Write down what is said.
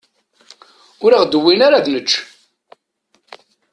Ur aɣ-d-wwin ara ad nečč.